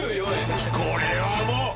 これはもう。